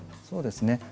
そうですね。